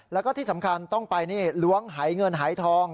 แล้วก็ที่สำคัญต้องไปนี่ล้วงหายเงินหายทอง